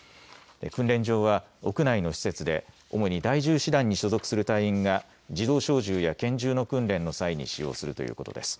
訓練場は屋内の施設で主に第１０師団に所属する隊員が自動小銃や拳銃の訓練の際に使用するということです。